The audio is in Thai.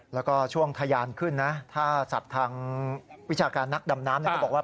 แล้วก็ช่วงทะยานขึ้นนะถ้าสัตว์ทางวิชาการนักดำน้ำก็บอกว่า